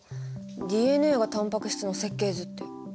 ＤＮＡがタンパク質の設計図って。